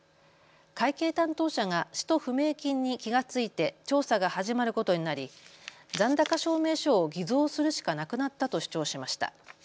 会計担当者が使途不明金に気が付いて調査が始まることになり残高証明書を偽造するしかなくなったと主張しました。